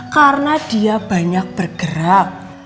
karena dia banyak bergerak